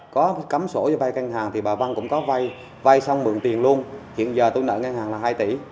có cắm sổ cho vay ngang hàng thì bà vân cũng có vay vay xong mượn tiền luôn hiện giờ tôi nợ ngang hàng là hai tỷ